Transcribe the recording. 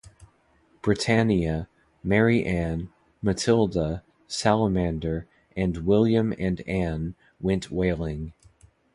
"Britannia", "Mary Ann", "Matilda", "Salamander", and "William and Ann" went whaling.